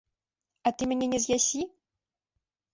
А ты мяне не з'ясі?